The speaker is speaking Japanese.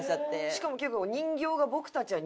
しかも結構。